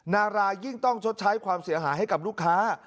นารายยิ่งต้องชดใช้ความเสียหายให้กับลูกค้า